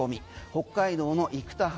北海道の生田原